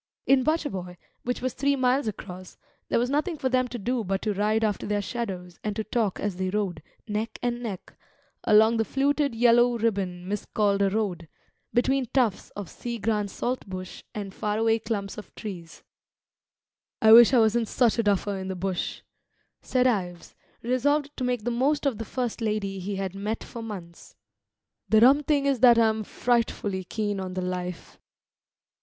In Butcher boy, which was three miles across, there was nothing for them to do but to ride after their shadows and to talk as they rode, neck and neck, along the fluted yellow ribbon miscalled a road, between tufts of sea green saltbush and faraway clumps of trees. "I wish I wasn't such a duffer in the bush," said Ives, resolved to make the most of the first lady he had met for months. "The rum thing is that I'm frightfully keen on the life."